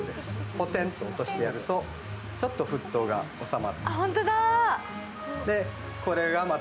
ポテンと落としてやると、少し沸騰が収まる。